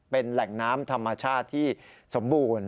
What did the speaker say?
เป็นแหล่งน้ำธรรมชาติที่สมบูรณ์